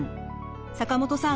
坂本さん